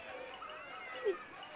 はい。